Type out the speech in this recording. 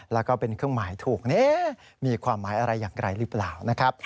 แล้วก็เป็นเครื่องหมายถูกมีความหมายอะไรอย่างไรหรือเปล่านะครับ